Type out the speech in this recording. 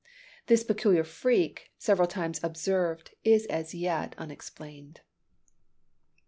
This peculiar freak, several times observed, is as yet unexplained.